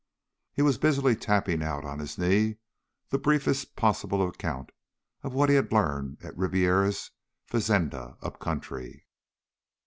He was busily tapping out on his knee the briefest possible account of what he had learned at Ribiera's fazenda up country.